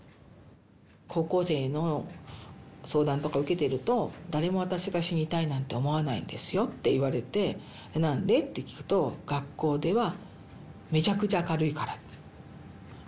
高校生の相談とか受けてると誰も私が死にたいなんて思わないんですよって言われて「何で？」って聞くと学校ではめちゃくちゃ明るいから。